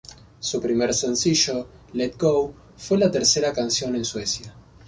Su primer sencillo, "Let Go" fue la tercera canción en Suecia.